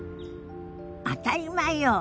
当たり前よ。